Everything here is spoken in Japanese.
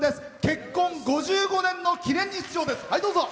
結婚５５年の記念に出場です。